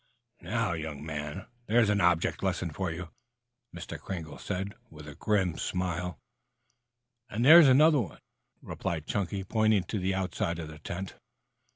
"Now, young man, there's an object lesson for you," Mr. Kringle said, with a grim smile. "And there's another!" replied Chunky, pointing to the outside of the tent.